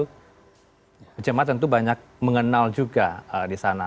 karena jemaah tentu banyak mengenal juga di sana